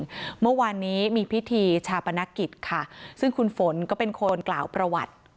เมื่อวานนี้มีพิธีชาปนกิจค่ะซึ่งคุณฝนก็เป็นคนกล่าวประวัติ